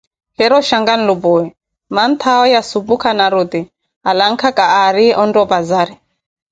Keetta oshanka nlumpuwe, mantthaawo ya supu kana ruti, alankhaka aariye ontta opazari.